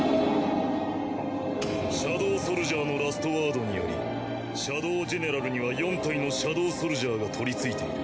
シャドウソルジャーのラストワードによりシャドウジェネラルには４体のシャドウソルジャーがとりついている。